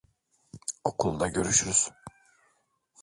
Okulda görüşürüz.